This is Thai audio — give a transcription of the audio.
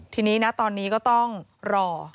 ทีนี้นะตอนนี้ก็ต้องรอ